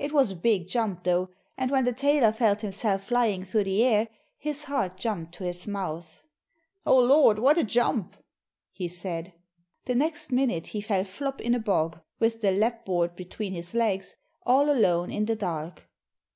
It was a big jump, though, and when the tailor felt himself flying through the air, his heart jumped to his mouth. 'Oh Lord, what a jump!' he said. The next minute he fell flop in a bog, with the lapboard between his legs, all alone in the dark.